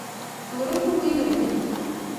ngoro bukuit nenyun